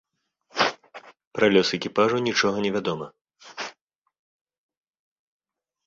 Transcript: Пра лёс экіпажу нічога невядома.